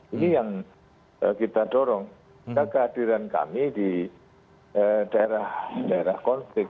ini yang kita dorong kehadiran kami di daerah daerah konflik